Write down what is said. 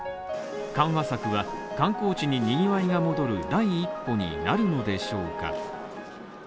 緩和策は観光地ににぎわいが戻る第一歩になるのでしょうか？